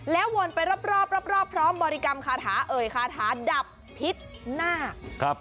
วนไปรอบรอบพร้อมบริกรรมคาถาเอ่ยคาถาดับพิษนาค